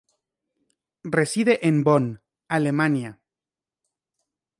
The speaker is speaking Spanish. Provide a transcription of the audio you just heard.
Reside en Bonn, Alemania.